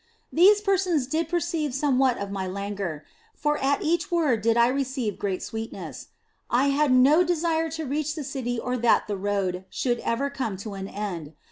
These persons did perceive somewhat of my languor, for at each word did I receive great sweetness ; I had no desire to reach the city or that the road should ever come to an end.